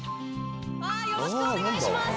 よろしくお願いします